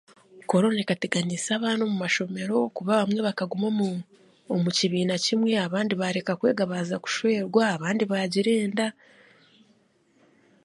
Korona ekateganiisa abaana omu mashomero ahabwokuba bamwe bakaguma omu omu kibiina kimwe n'abandi baaruga omu mashomero baaza kushwerwa abandi baagira enda